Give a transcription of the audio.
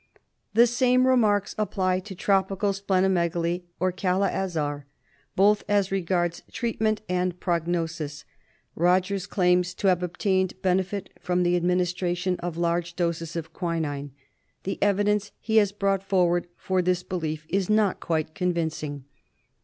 The same remarks apply to Tropical Spleno megaly or Kala Azar, both as regards treatment and prognosis. 192 TREATMENT OF Rogers claims to have obtained benefit from the adminis tration of large doses of quinine. The evidence he has brought forward for this belief is not quite convincing.